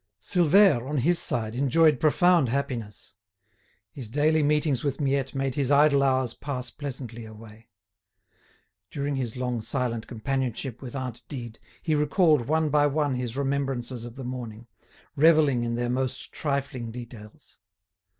Silvère, on his side, enjoyed profound happiness. His daily meetings with Miette made his idle hours pass pleasantly away. During his long silent companionship with aunt Dide, he recalled one by one his remembrances of the morning, revelling in their most trifling details.